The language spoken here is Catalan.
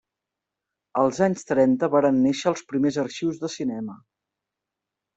Als anys trenta varen néixer els primers arxius de cinema.